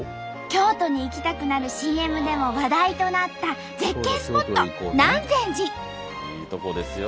京都に行きたくなるＣＭでも話題となった絶景スポット「南禅寺」。